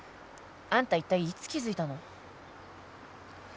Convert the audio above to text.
あんた一体いつ気づいたの？